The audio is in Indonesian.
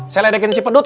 saya ledakin si pedut